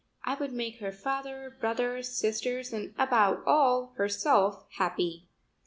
I would make her father, brothers, sisters, and above all herself, happy.